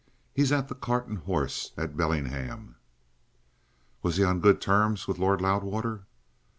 "He's at the 'Cart and Horses' at Bellingham." "Was he on good terms with Lord Loudwater?"